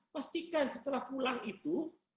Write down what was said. pastikan setelah pulang itu